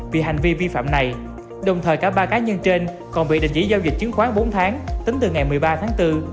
vì hành vi vi phạm này đồng thời cả ba cá nhân trên còn bị đình chỉ giao dịch chứng khoán bốn tháng tính từ ngày một mươi ba tháng bốn